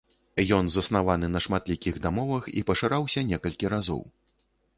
Ён заснаваны на шматлікіх дамовах і пашыраўся некалькі разоў.